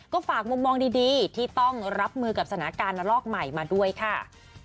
ก็ฝากมุมมองดีที่ต้องรับมือกับสถานการณ์ระลอกใหม่มาด้วยค่ะ